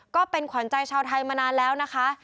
ก็เป็นขวัญใจชาวไทยมานานแล้วนะคะ